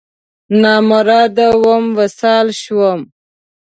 نامراده وم، وصال شوم